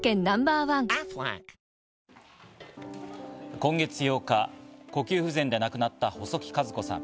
今月８日、呼吸不全で亡くなった細木数子さん。